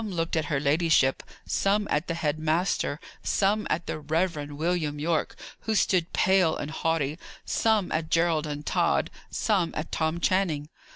Some looked at her ladyship; some at the head master; some at the Reverend William Yorke, who stood pale and haughty; some at Gerald and Tod; some at Tom Channing.